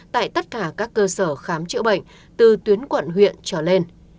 tại tất cả các cơ sở khám chữa bệnh từ tuyến quận huyện trở lên